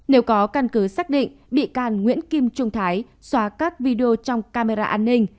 nếu có căn cứ xác định bị can nguyễn kim trung thái xóa các video trong camera an ninh